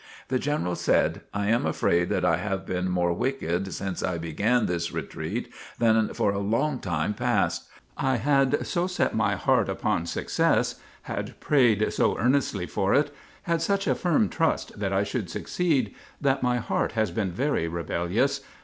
The General said, "I am afraid that I have been more wicked since I began this retreat than for a long time past. I had so set my heart upon success, had prayed so earnestly for it, had such a firm trust that I should succeed, that my heart has been very rebellious.